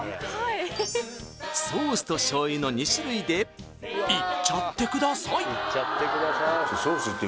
ソースとしょう油の２種類でいっちゃってください